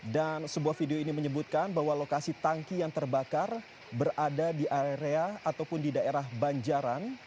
dan sebuah video ini menyebutkan bahwa lokasi tangki yang terbakar berada di area ataupun di daerah banjaran